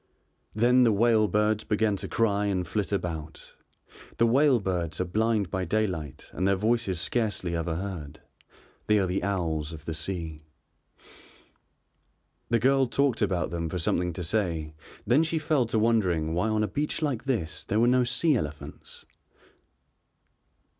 Then the whale birds began to cry and flit about. The whale birds are blind by daylight and their voices scarcely ever heard, they are the owls of the sea. The girl talked about them for something to say, then she fell to wondering why on a beach like this there were no sea elephants.